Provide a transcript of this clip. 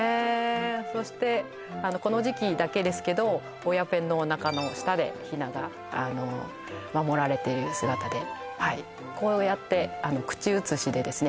そしてこの時期だけですけど親ペンのおなかの下でヒナが守られてる姿ではいこうやって口移しでですね